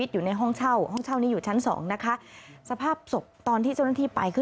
อยู่หน้าห้องนี่